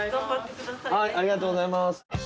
ありがとうございます。